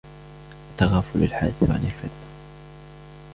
التَّغَافُلُ الْحَادِثُ عَنْ الْفَطِنَةِ